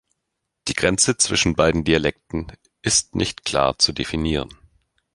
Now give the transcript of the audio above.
Die Grenze zwischen beiden Dialekten ist nicht klar zu definieren.